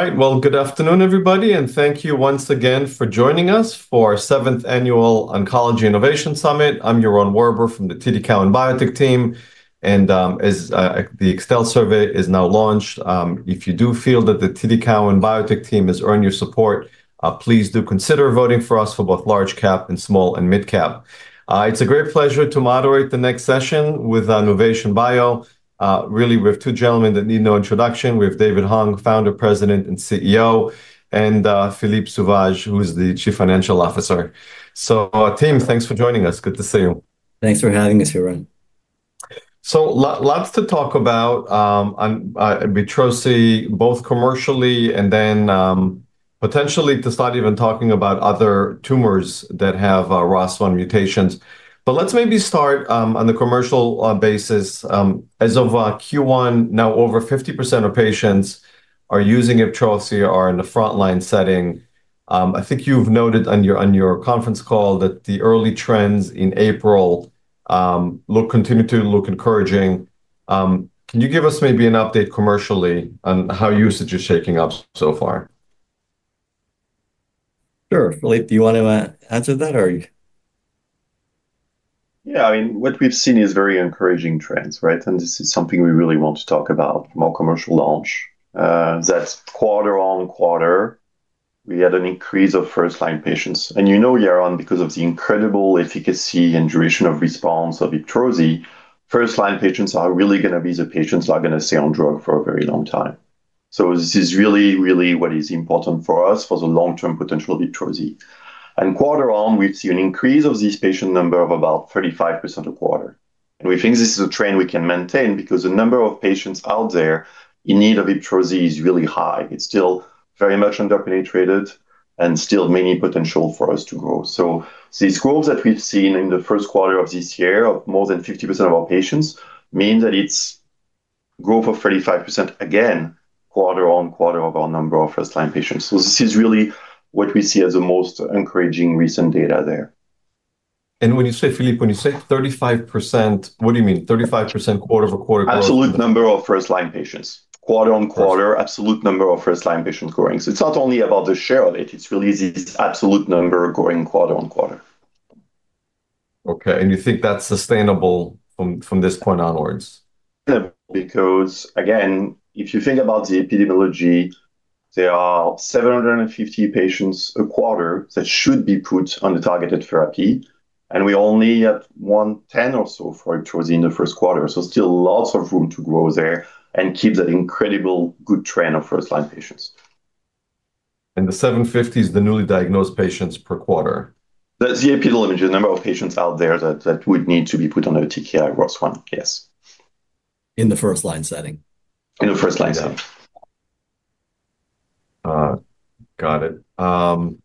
All right. Well, good afternoon, everybody, and thank you once again for joining us for our Seventh Annual Oncology Innovation Summit. I'm Yaron Werber from the TD Cowen Biotech team. The Extel survey is now launched. If you do feel that the TD Cowen Biotech team has earned your support, please do consider voting for us for both large cap and small and mid cap. It's a great pleasure to moderate the next session with our Nuvation Bio. Really, we have two gentlemen that need no introduction. We have David Hung, Founder, President, and CEO, and Philippe Sauvage, who is the Chief Financial Officer. Team, thanks for joining us. Good to see you. Thanks for having us, Yaron. Lots to talk about. I mean, IBTROZI both commercially and then potentially to start even talking about other tumors that have ROS1 mutations. Let's maybe start on a commercial basis. As of Q1, now over 50% of patients using IBTROZI are in the frontline setting. I think you've noted on your conference call that the early trends in April continue to look encouraging. Can you give us maybe an update commercially on how usage is shaping up so far? Sure. Philippe, do you want to answer that? Yeah, I mean, what we've seen is very encouraging trends, right? This is something we really want to talk about more commercial launch. That's quarter-on-quarter, we had an increase of first-line patients. You know, Yaron, because of the incredible efficacy and duration of response of IBTROZI, first-line patients are really going to be the patients who are going to stay on drug for a very long time. This is really what is important for us for the long-term potential of IBTROZI. Quarter on, we see an increase of this patient number of about 35% a quarter. We think this is a trend we can maintain because the number of patients out there in need of IBTROZI is really high. It's still very much under-penetrated and still many potential for us to grow. These growth that we've seen in the first quarter of this year of more than 50% of our patients mean that it's growth of 35% again, quarter-on-quarter of our number of first-line patients. This is really what we see as the most encouraging recent data there. When you say, Philippe, when you say 35%, what do you mean, 35% quarter-over-quarter growth? Absolute number of first-line patients. Quarter-on-quarter, absolute number of first-line patients growing. It's not only about the share of it's really the absolute number growing quarter-on-quarter. Okay, you think that's sustainable from this point onwards? Again, if you think about the epidemiology, there are 750 patients a quarter that should be put on targeted therapy, and we only had 110 or so for IBTROZI in the first quarter. Still lots of room to grow there and keep that incredible good trend of first-line patients. The 750 is the newly diagnosed patients per quarter? That's the epidemiology, the number of patients out there that would need to be put on a TKI ROS1, yes. In the first-line setting. In the first-line setting. Got it. Do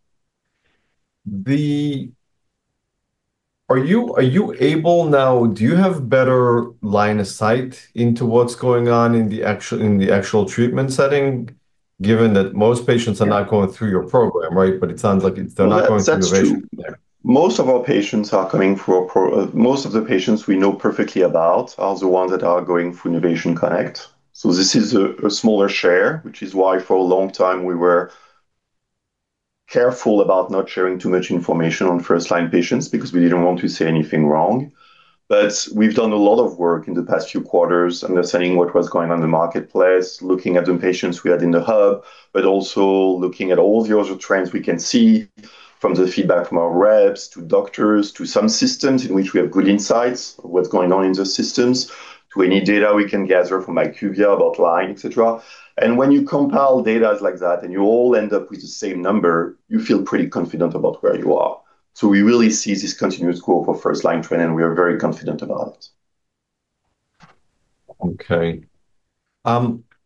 you have better line of sight into what's going on in the actual treatment setting? Given that most patients are not going through your program, right? It sounds like they're not going through Nuvation there. That's true. Most of the patients we know perfectly about are the ones that are going through NuvationConnect. This is a smaller share, which is why for a long time we were careful about not sharing too much information on first-line patients because we didn't want to say anything wrong. We've done a lot of work in the past few quarters understanding what was going on in the marketplace, looking at the patients we had in the hub, but also looking at all the other trends we can see from the feedback from our reps to doctors to some systems in which we have good insights of what's going on in the systems, to any data we can gather from IQVIA about line, et cetera. When you compile data like that and you all end up with the same number, you feel pretty confident about where you are. We really see this continuous growth of first-line trend, and we are very confident about it. Okay.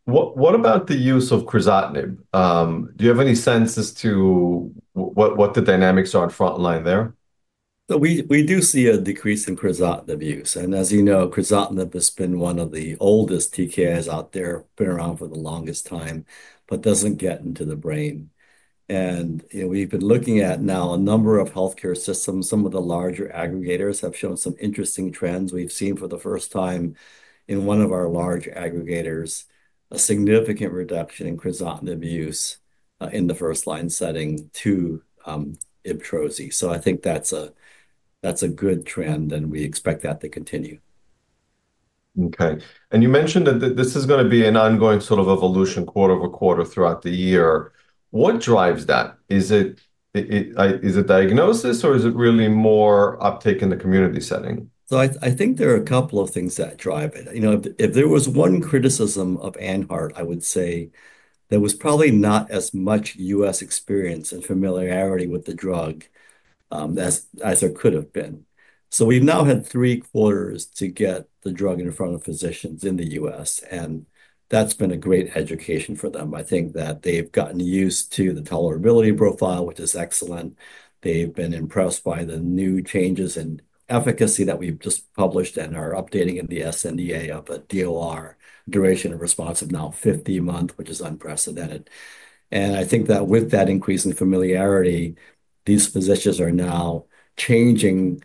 What about the use of crizotinib? Do you have any sense as to what the dynamics are frontline there? We do see a decrease in crizotinib use. As you know, crizotinib has been one of the oldest TKIs out there, been around for the longest time, but doesn't get into the brain. We've been looking at now a number of healthcare systems. Some of the larger aggregators have shown some interesting trends. We've seen for the first time in one of our large aggregators a significant reduction in crizotinib use in the first-line setting to IBTROZI. I think that's a good trend, and we expect that to continue. Okay. You mentioned that this is going to be an ongoing sort of evolution quarter-over-quarter throughout the year. What drives that? Is it diagnosis, or is it really more uptake in the community setting? I think there are a couple of things that drive it. If there was one criticism of AnHeart, I would say there was probably not as much U.S. experience and familiarity with the drug as there could have been. We've now had three quarters to get the drug in front of physicians in the U.S., and that's been a great education for them. I think that they've gotten used to the tolerability profile, which is excellent. They've been impressed by the new changes in efficacy that we've just published and are updating in the sNDA of a DOR, duration of response of now 50 months, which is unprecedented. I think that with that increase in familiarity, these physicians are now changing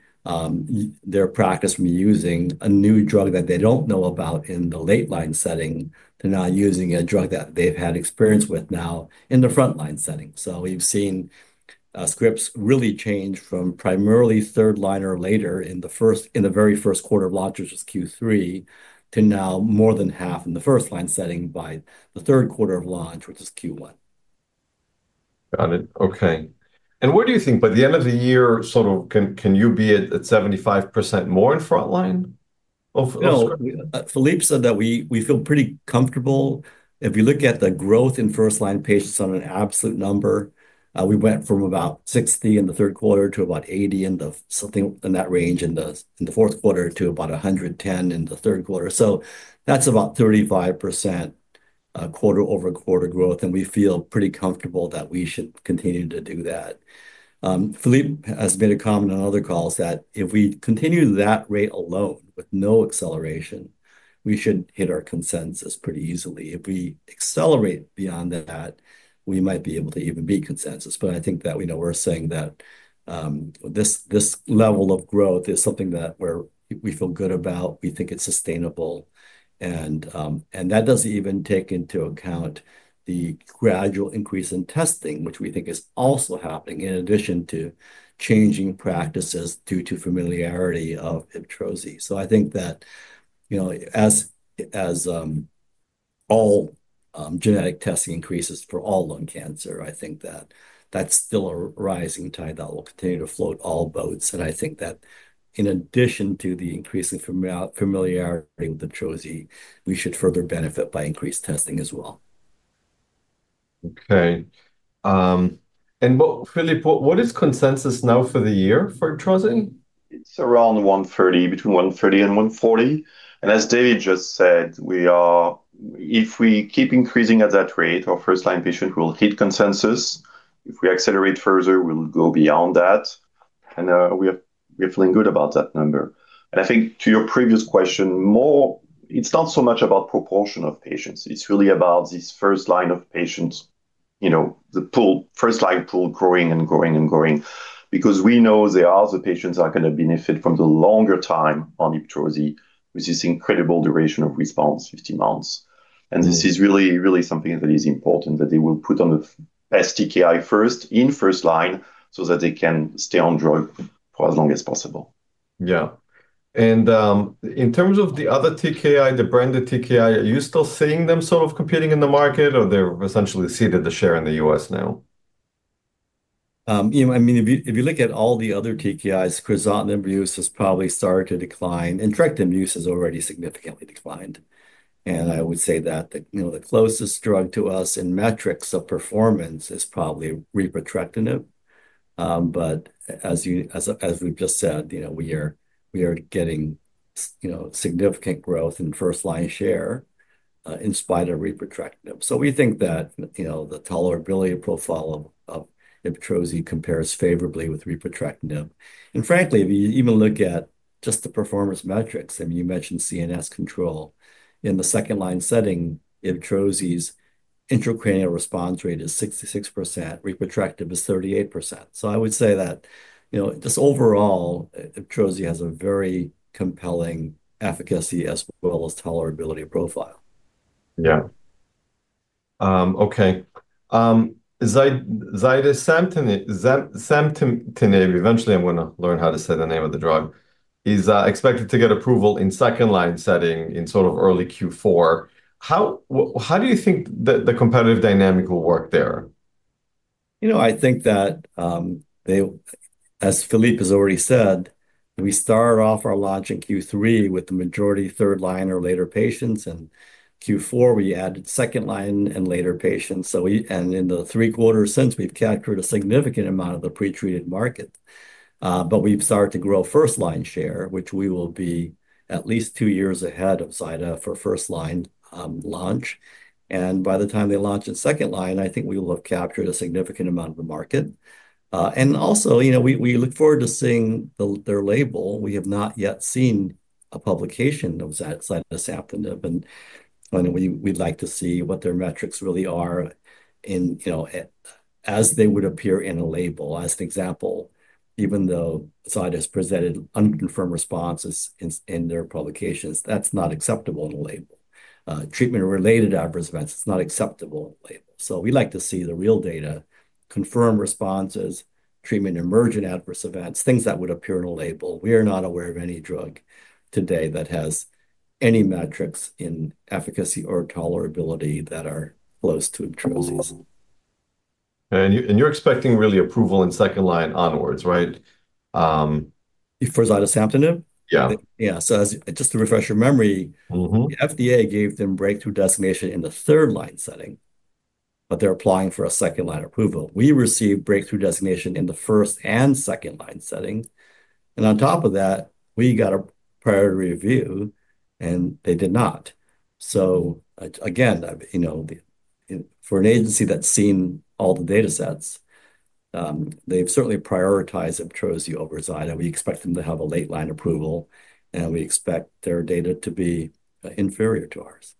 their practice from using a new drug that they don't know about in the late-line setting to now using a drug that they've had experience with now in the front-line setting. We've seen scripts really change from primarily third-line or later in the very first quarter of launch, which was Q3, to now more than half in the first-line setting by the third quarter of launch, which is Q1. Got it. Okay. What do you think, by the end of the year, can you be at 75% more in front line of? No. Philippe said that we feel pretty comfortable. If you look at the growth in first-line patients on an absolute number, we went from about 60 in the third quarter to about 80 something in that range in the fourth quarter to about 110 in the third quarter. That's about 35% quarter-over-quarter growth, and we feel pretty comfortable that we should continue to do that. Philippe has made a comment on other calls that if we continue that rate alone with no acceleration. We should hit our consensus pretty easily. If we accelerate beyond that, we might be able to even beat consensus. I think that we're saying that this level of growth is something that we feel good about. We think it's sustainable, and that doesn't even take into account the gradual increase in testing, which we think is also happening in addition to changing practices due to familiarity of IBTROZI. I think that as all genetic testing increases for all lung cancer, I think that that's still a rising tide that will continue to float all boats. I think that in addition to the increase in familiarity with IBTROZI, we should further benefit by increased testing as well. Okay. Philippe, what is consensus now for the year for IBTROZI? It's around 130, between 130 and 140. As David Hung just said, if we keep increasing at that rate, our first-line patient will hit consensus. If we accelerate further, we'll go beyond that. We're feeling good about that number. I think to your previous question, it's not so much about proportion of patients. It's really about this first-line of patients, the first-line pool growing and growing and growing. Because we know there are other patients that are going to benefit from the longer time on IBTROZI, with this incredible duration of response, 15 months. This is really something that is important, that they will put on the best TKI in first-line so that they can stay on drug for as long as possible. Yeah. In terms of the other TKI, the branded TKI, are you still seeing them sort of competing in the market, or they're essentially ceded a share in the U.S. now? If you look at all the other TKIs, crizotinib use has probably started to decline, entrectinib use has already significantly declined. I would say that the closest drug to us in metrics of performance is probably repotrectinib. As we've just said, we are getting significant growth in first-line share in spite of repotrectinib. We think that the tolerability profile of IBTROZI compares favorably with repotrectinib. Frankly, if you even look at just the performance metrics, and you mentioned CNS control, in the second-line setting, IBTROZI's intracranial response rate is 66%, repotrectinib is 38%. I would say that just overall, IBTROZI has a very compelling efficacy as well as tolerability profile. Yeah. Okay. Zidesamtinib, eventually I'm going to learn how to say the name of the drug, is expected to get approval in second-line setting in sort of early Q4. How do you think the competitive dynamic will work there? I think that, as Philippe has already said, we started off our launch in Q3 with the majority third-line or later patients. In Q4, we added second-line and later patients. In the three quarters since, we've captured a significant amount of the pre-treated market. We've started to grow first-line share, which we will be at least two years ahead of zidesamtinib for first-line launch. By the time they launch in second line, I think we will have captured a significant amount of the market. Also, we look forward to seeing their label. We have not yet seen a publication of zidesamtinib, and we'd like to see what their metrics really are as they would appear in a label. As an example, even though zidesamtinib presented unconfirmed responses in their publications, that's not acceptable in a label. Treatment-related adverse events, not acceptable in a label. We'd like to see the real data, confirmed responses, treatment-emergent adverse events, things that would appear in a label. We are not aware of any drug today that has any metrics in efficacy or tolerability that are close to IBTROZI. You're expecting really approval in second-line onwards, right? For zidesamtinib? Yeah. Yeah. Just to refresh your memory. The FDA gave them breakthrough designation in the third-line setting, but they're applying for a second-line approval. We received breakthrough designation in the first and second-line settings. On top of that, we got a priority review, and they did not. Again, for an agency that's seen all the data sets, they've certainly prioritized IBTROZI over zidesamtinib, and we expect them to have a late-line approval, and we expect their data to be inferior to ours.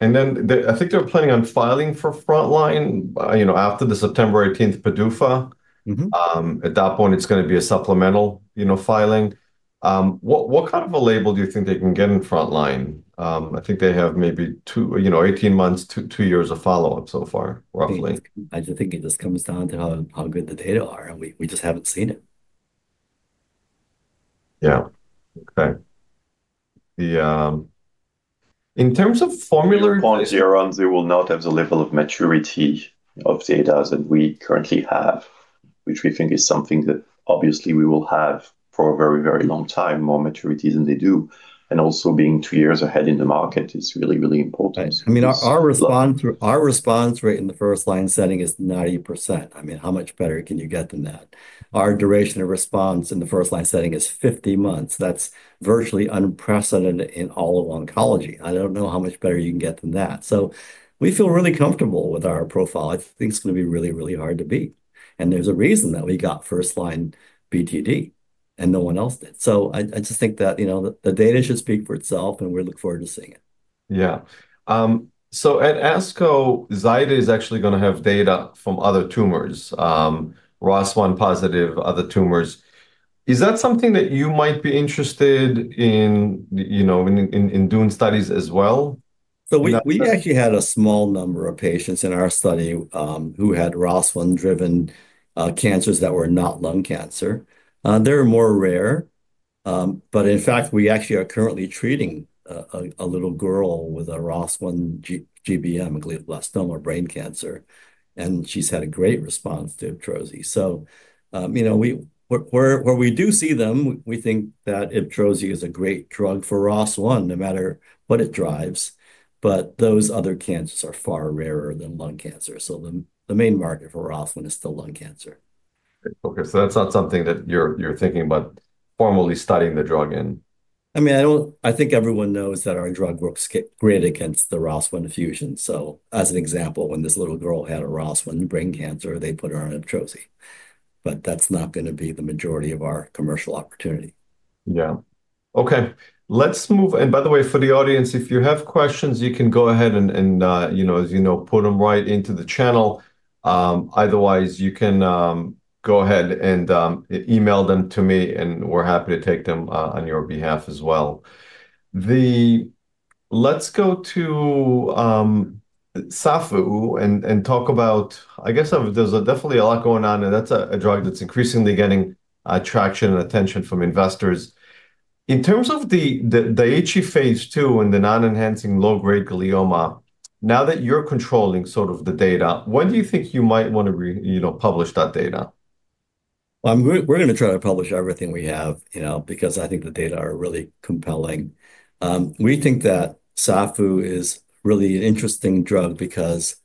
I think they're planning on filing for frontline, after the September 18th PDUFA. At that point, it's going to be a supplemental filing. What kind of a label do you think they can get in frontline? I think they have maybe 18 months to two years of follow-up so far, roughly? I think it just comes down to how good the data are, and we just haven't seen it. Yeah. Okay. In terms of formulary. For zidesamtinib, they will not have the level of maturity of data that we currently have, which we think is something that obviously we will have for a very, very long time, more maturity than they do. Also being two years ahead in the market is really, really important because. I mean, our response rate in the first-line setting is 90%. How much better can you get than that? Our duration of response in the first-line setting is 50 months. That's virtually unprecedented in all of oncology. I don't know how much better you can get than that. We feel really comfortable with our profile. I think this will be really, really hard to beat. There's a reason that we got first-line BTD and no one else did. I just think that the data should speak for itself, and we look forward to seeing it. Yeah. At ASCO, zidesamtinib is actually going to have data from other tumors, ROS1-positive other tumors. Is that something that you might be interested in doing studies as well? We actually had a small number of patients in our study, who had ROS1-driven cancers that were not lung cancer. They're more rare. In fact, we actually are currently treating a little girl with a ROS1 GBM, glioblastoma brain cancer, and she's had a great response to IBTROZI. Where we do see them, we think that IBTROZI is a great drug for ROS1, no matter what it drives, but those other cancers are far rarer than lung cancer. The main market for ROS1 is still lung cancer. Okay, that's not something that you're thinking about formally studying the drug in? I think everyone knows that our drug works great against the ROS1 fusion. As an example, when this little girl had a ROS1 brain cancer, they put her on IBTROZI, but that's not going to be the majority of our commercial opportunity. Yeah. Okay, for the audience, if you have questions, you can go ahead and put them right into the channel. Otherwise, you can go ahead and email them to me, and we're happy to take them on your behalf as well. Let's go to safusidenib and talk about, I guess there's definitely a lot going on, and that's a drug that's increasingly getting attraction and attention from investors. In terms of the IDH phase II and the non-enhancing low-grade glioma, now that you're controlling sort of the data, when do you think you might want to publish that data? We're going to try to publish everything we have, because I think the data are really compelling. We think that safusidenib is really an interesting drug because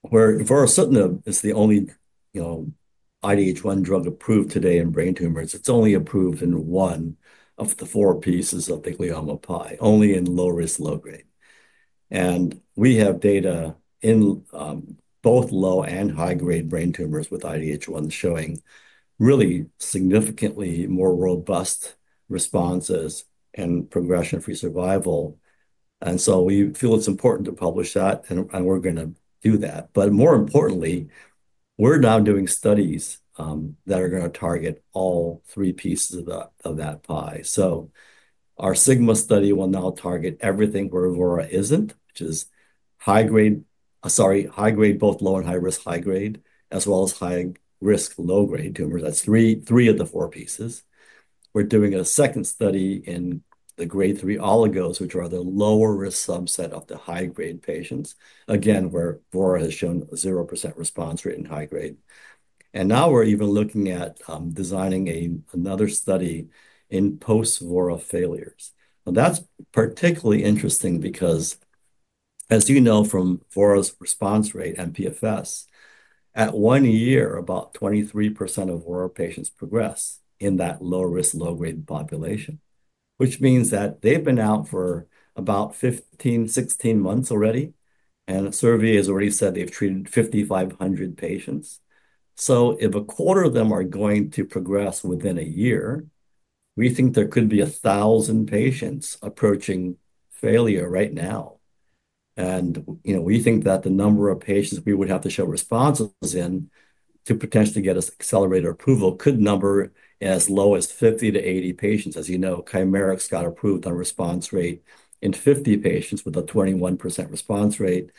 where vorasidenib is the only IDH1 drug approved today in brain tumors, it's only approved in one of the four pieces of the glioma pie, only in low-risk, low-grade. We have data in both low and high-grade brain tumors with IDH1 showing really significantly more robust responses and progression-free survival. We feel it's important to publish that, and we're going to do that. More importantly, we're now doing studies that are going to target all three pieces of that pie. Our SIGMA study will now target everything where vorasidenib isn't, which is high-grade, both low and high-risk, high-grade, as well as high-risk, low-grade tumors. That's three of the four pieces. We're doing a second study in the Grade 3 oligos, which are the lower-risk subset of the high-grade patients. Where vorasidenib has shown a 0% response rate in high-grade. Now we're even looking at designing another study in post-vorasidenib failures. That's particularly interesting because, as you know from vorasidenib's response rate and PFS, at one year, about 23% of vorasidenib patients progress in that low-risk, low-grade population, which means that they've been out for about 15, 16 months already, and the Servier has already said they've treated 5,500 patients. If a quarter of them are going to progress within a year, we think there could be 1,000 patients approaching failure right now. We think that the number of patients we would have to show responses in to potentially get us Accelerated Approval could number as low as 50 patients-80 patients. As you know, Chimerix got approved on response rate in 50 patients with a 21% response rate.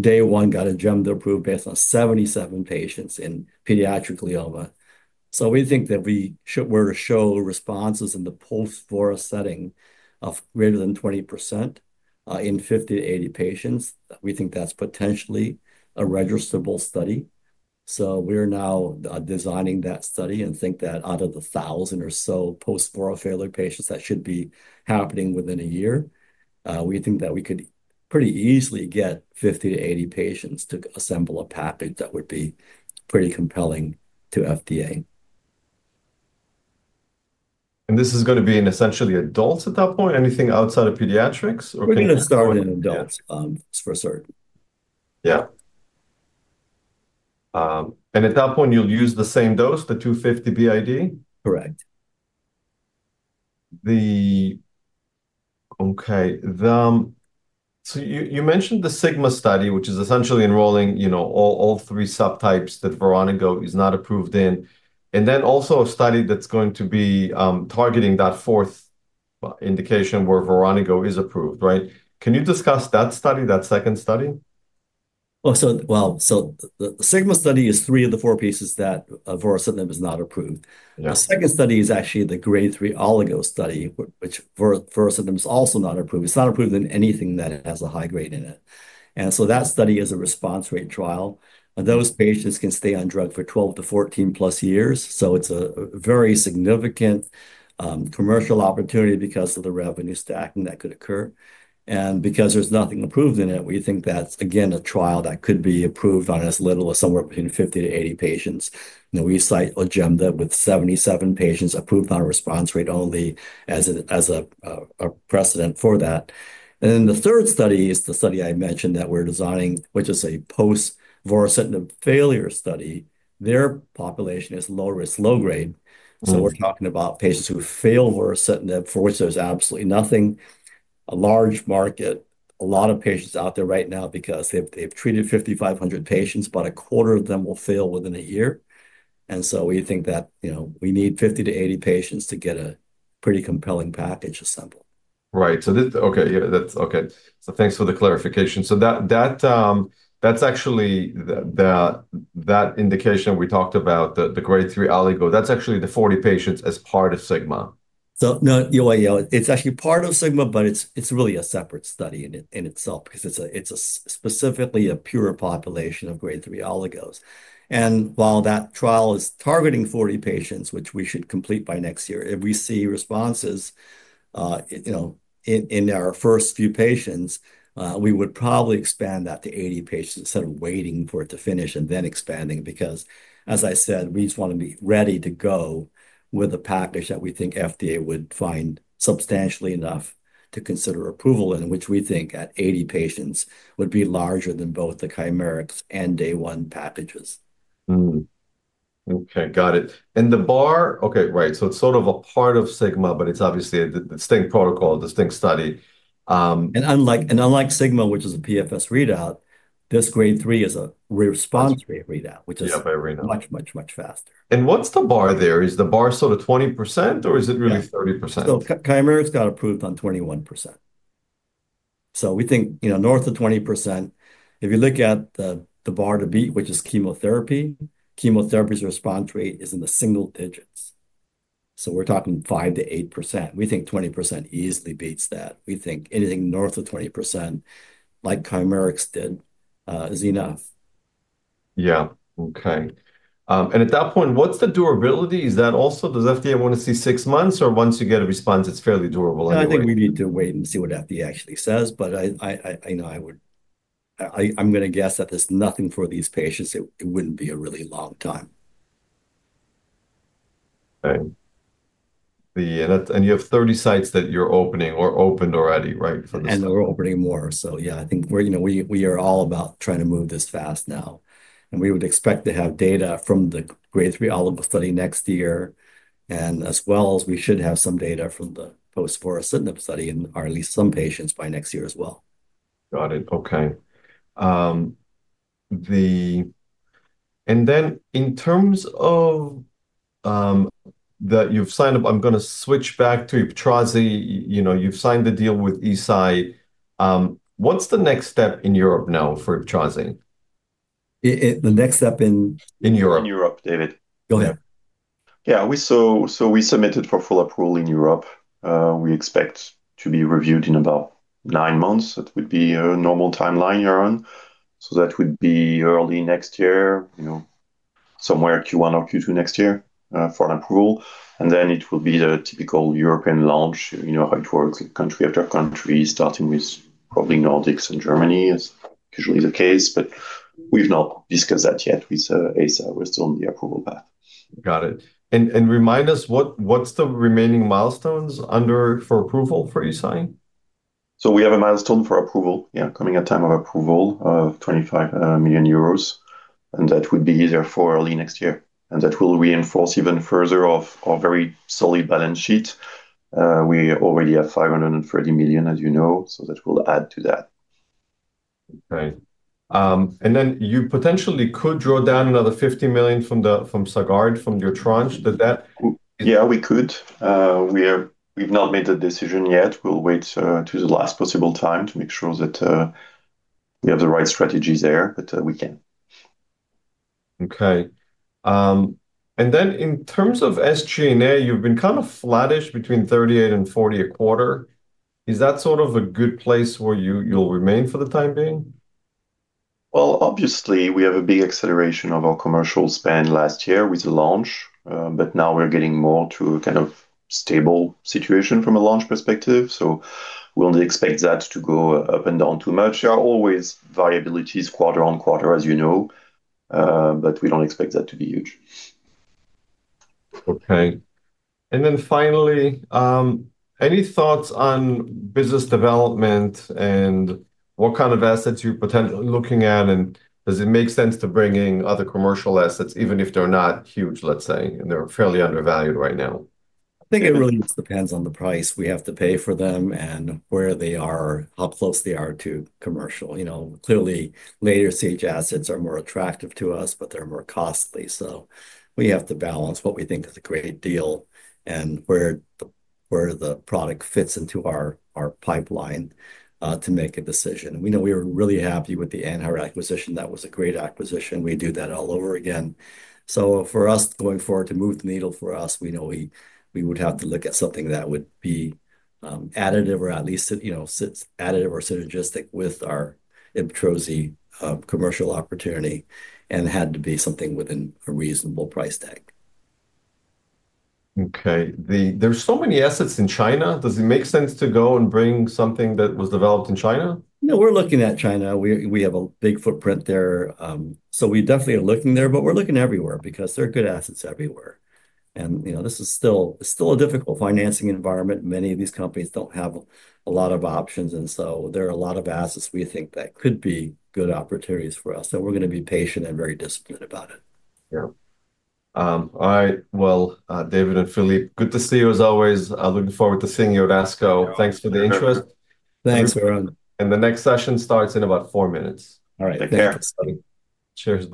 Day One got accelerated approval based on 77 patients in pediatric glioma. We think that if we were to show responses in the post-vorasidenib setting of greater than 20% in 50 patients-80 patients, we think that's potentially a registerable study. We're now designing that study and think that out of the 1,000 or so post-vorasidenib failure patients, that should be happening within a year. We think that we could pretty easily get 50 patients-80 patients to assemble a package that would be pretty compelling to FDA. This is going to be in essentially adults at that point? Anything outside of pediatrics? Okay We're going to start in adults, for certain. Yeah. At that point, you'll use the same dose, the 250 mg BID? Correct. You mentioned the SIGMA study, which is essentially enrolling all three subtypes that Voranigo is not approved in, and then also a study that's going to be targeting that fourth indication where Voranigo is approved, right? Can you discuss that study, that second study? The SIGMA study is three of the four pieces that vorasidenib is not approved. Yeah. The second study is actually the Grade 3 oligodendroglioma study, which vorasidenib is also not approved. It's not approved in anything that has a high grade in it. That study is a response rate trial, and those patients can stay on drug for 12 years-14+ years. It's a very significant commercial opportunity because of the revenue stacking that could occur. Because there's nothing approved in it, we think that's again, a trial that could be approved on as little as somewhere between 50 patients-80 patients. We cite OJEMDA with 77 patients approved on response rate only as a precedent for that. The third study is the study I mentioned that we're designing, which is a post-vorasidenib failure study. Their population is low risk, low grade. Right. We're talking about patients who have failed vorasidenib, for which there's absolutely nothing, a large market, a lot of patients out there right now because they've treated 5,500 patients, about a quarter of them will fail within a year. We think that we need 50 patients-80 patients to get a pretty compelling package of sample. Right. Okay, yeah. Okay. Thanks for the clarification. That indication we talked about, the Grade 3 oligodendroglioma, that's actually the 40 patients as part of SIGMA? No, Yaron. It's actually part of SIGMA, but it's really a separate study in itself because it's specifically a pure population of Grade 3 oligos. While that trial is targeting 40 patients, which we should complete by next year, if we see responses in our first few patients, we would probably expand that to 80 patients instead of waiting for it to finish and then expanding, because, as I said, we just want to be ready to go with a package that we think FDA would find substantial enough to consider approval, and which we think at 80 patients would be larger than both the Chimerix and Day1 packages. Okay, got it. Okay. Right, it's sort of a part of SIGMA, but it's obviously a distinct protocol, a distinct study. Unlike SIGMA, which is a PFS readout, this Grade 3 is a response rate readout. Yeah, read out. Which is much faster. What's the bar there? Is the bar sort of 20%, or is it really 30%? Yeah. Chimerix got approved on 21%. We think north of 20%, if you look at the bar to beat, which is chemotherapy's response rate is in the single digits. We're talking 5%-8%. We think 20% easily beats that. We think anything north of 20%, like Chimerix did, is enough. Yeah. Okay. At that point, what's the durability? Does FDA want to see six months, or once you get a response, it's fairly durable anyway? I think we need to wait and see what FDA actually says, but I'm going to guess that there's nothing for these patients, it wouldn't be a really long time. Okay. You have 30 sites that you're opening or opened already, right? For this. We're opening more. Yeah, I think we are all about trying to move as fast now, and we would expect to have data from the Grade 3 oligodendroglioma study next year, and as well as we should have some data from the post vorasidenib study in at least some patients by next year as well. Got it. Okay. In terms of that you've signed up, I'm going to switch back to IBTROZI. You've signed the deal with Eisai. What's the next step in Europe now for IBTROZI? The next step in? In Europe. In Europe, David? Yeah. Yeah. We submitted for full approval in Europe. We expect to be reviewed in about nine months. That would be a normal timeline, Yaron. That would be early next year, somewhere Q1 or Q2 next year for an approval. It will be a typical European launch, how it works with country after country, starting with probably Nordics and Germany, as is usually the case. We've not discussed that yet with Eisai. We're still on the approval path. Got it. Remind us, what's the remaining milestones for approval for Eisai? We have a milestone for approval, yeah. Coming out time of approval of 25 million euros, and that would be therefore early next year. That will reinforce even further our very solid balance sheet. We already have 530 million, as you know. That will add to that. Okay. You potentially could draw down another 50 million from Sagard, from your tranche with that? Yeah, we could. We've not made the decision yet. We'll wait to the last possible time to make sure that we have the right strategies there, but we can. Okay. In terms of SG&A, you've been kind of flattish between 38 and 40 a quarter. Is that sort of a good place where you'll remain for the time being? Obviously, we have a big acceleration of our commercial spend last year with the launch. Now we're getting more to a kind of stable situation from a launch perspective. We don't expect that to go up and down too much. There are always variabilities quarter-on-quarter, as you know. We don't expect that to be huge. Okay. Finally, any thoughts on business development and what kind of assets you're potentially looking at? Does it make sense to bring in other commercial assets, even if they're not huge, let's say, and they're fairly undervalued right now? I think it really just depends on the price we have to pay for them and how close they are to commercial. Clearly, later-stage assets are more attractive to us, but they're more costly. We have to balance what we think is a great deal and where the product fits into our pipeline to make a decision. We were really happy with the AnHeart acquisition. That was a great acquisition. We'd do that all over again. For us going forward, to move the needle for us, we would have to look at something that would be additive or synergistic with our IBTROZI commercial opportunity and had to be something within a reasonable price tag. Okay. There's so many assets in China. Does it make sense to go and bring something that was developed in China? No, we're looking at China. We have a big footprint there. We definitely are looking there, but we're looking everywhere because there are good assets everywhere. This is still a difficult financing environment. Many of these companies don't have a lot of options, there are a lot of assets we think that could be good opportunities for us. We're going to be patient and very disciplined about it. Yeah. All right. Well, David and Philippe, good to see you as always. Looking forward to seeing you at ASCO. Thanks for the interest. Thanks, Yaron. The next session starts in about four minutes. All right. Take care. Cheers.